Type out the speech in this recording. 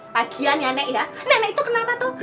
bagian ya nek ya nenek itu kenapa tuh